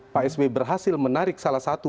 pak sby berhasil menarik salah satu